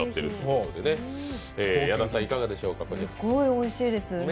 すごいおいしいです。